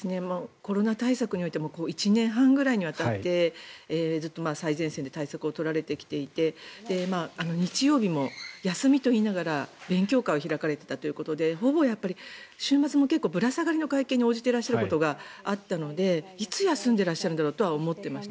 コロナ対策においても１年半くらいにわたってずっと最前線で対策を取られてきていて日曜日も休みといいながら勉強会を開かれていたということでほぼ週末もぶら下がりの会見に応じていらっしゃることがあったのでいつ休んでいらっしゃるのだろうと思っていました。